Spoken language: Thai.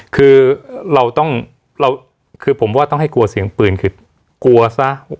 คือเราต้องเราคือผมว่าต้องให้กลัวเสียงปืนคือกลัวซะ